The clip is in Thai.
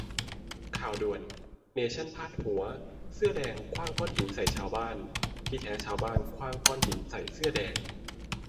"ข่าวด่วน" : เนชั่นพาดหัว "เสื้อแดง" ขว้างก้อนหินใส่ชาวบ้าน ที่แท้ชาวบ้านขว้างก้อนหินใส่เสื้อแดง